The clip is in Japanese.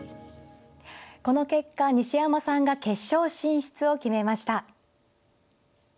この結果西山さんが決勝進出を決めました。